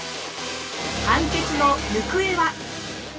判決の行方は！？